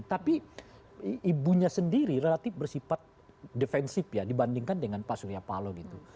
tapi ibunya sendiri relatif bersifat defensif ya dibandingkan dengan pak surya paloh gitu